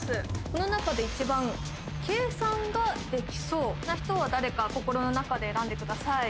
この中で１番計算ができそうな人は誰か心の中で選んでください